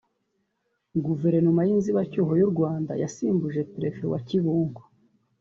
Guverinoma y’inzibacyuho y’u Rwanda yasimbuje Perefe wa Kibungo